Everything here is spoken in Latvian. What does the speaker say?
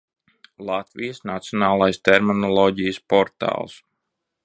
Latvijas Nacionālais terminoloģijas portāls